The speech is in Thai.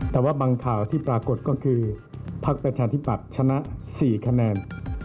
แต่ว่าบางข่าวที่ปรากฏก็คือพักประชาธิปัตย์ชนะ๔คะแนน